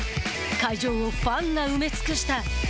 会場をファンが埋め尽くした。